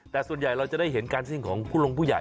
แต่ส่วนใหญ่เราจะได้เห็นการซิ่งของผู้ลงผู้ใหญ่